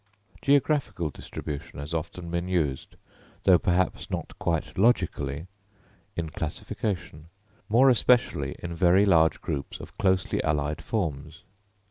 Geographical distribution has often been used, though perhaps not quite logically, in classification, more especially in very large groups of closely allied forms.